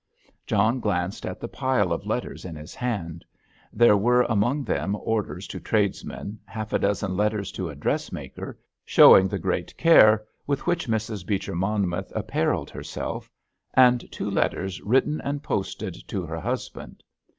John glanced at the pile of letters in his hand. There were among them orders to tradesmen, half a dozen letters to a dressmaker, showing the great care with which Mrs. Beecher Monmouth apparelled herself; and two letters written and posted to her husband.